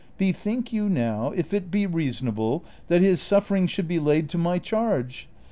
Bethink you now if it be reasonable that his suffering should be laid to my charge.